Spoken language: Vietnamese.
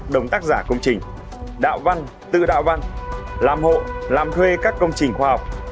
đồng tác giả công trình đạo văn tự đạo văn làm hộ làm thuê các công trình khoa học